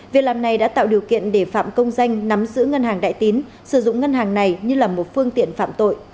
việc làm này đã tạo điều kiện để phạm công danh nắm giữ ngân hàng đại tín sử dụng ngân hàng này như là một phương tiện phạm tội